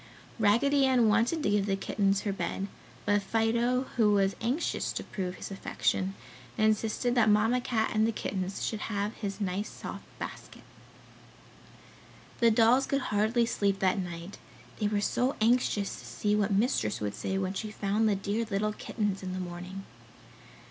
Raggedy Ann wanted to give the kittens her bed, but Fido, who was anxious to prove his affection, insisted that Mamma Cat and the kittens should have his nice soft basket. The dolls could hardly sleep that night; they were so anxious to see what Mistress would say when she found the dear little kittens in the morning.